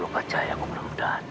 lo percaya aku belum datang yo